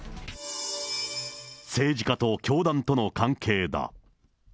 政治家と教団との関係だ。